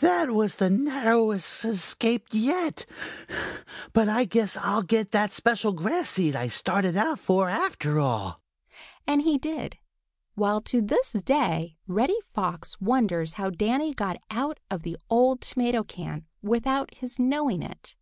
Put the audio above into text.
"That was the narrowest escape yet! But I guess I'll get that special grass seed I started out for, after all." And he did, while to this day Reddy Fox wonders how Danny got out of the old tomato can without him knowing it.